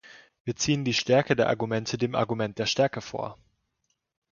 Wir ziehen die Stärke der Argumente dem Argument der Stärke vor.